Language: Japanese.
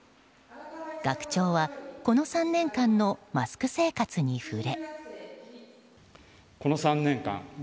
学長はこの３年間のマスク生活に触れ。